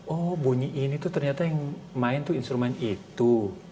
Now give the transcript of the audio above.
oh bunyi ini ternyata yang main itu instrumen itu